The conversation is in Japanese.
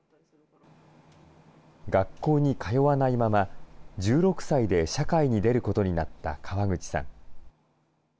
学校に通わないまま、１６歳で社会に出ることになった川口さん。